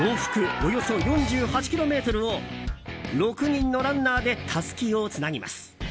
およそ４８ｋｍを６人のランナーでたすきをつなぎます。